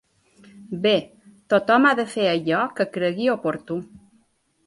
Bé, tothom ha de fer allò que cregui oportú.